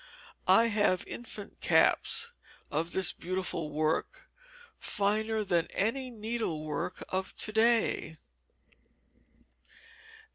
I have infants' caps of this beautiful work, finer than any needlework of to day.